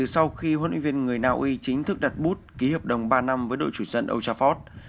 sau khi huấn luyện viên người naui chính thức đặt bút ký hợp đồng ba năm với đội chủ dân old trafford